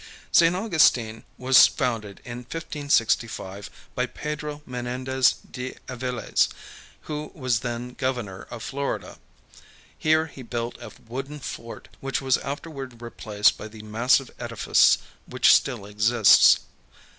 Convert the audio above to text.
St. Augustine was founded in 1565 by Pedro Menendez de Aviles, who was then Governor of Florida. Here he built a wooden fort which was afterward replaced by the massive edifice which still exists.